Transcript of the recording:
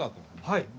はい。